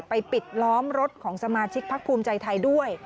ปิดล้อมรถของสมาชิกพักภูมิใจไทยด้วย